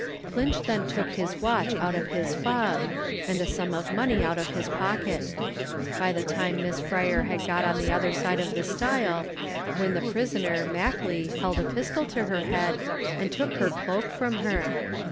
Clinch then took his watch out of his fob, and a sum of money out of his pocket. By this time Miss Fryer had got on the other side of the stile, when the prisoner, Mackley, held a pistol to her head, and took her cloak from her.